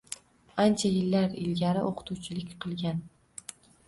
Ancha yillar ilgari o‘qituvchilik qilgan.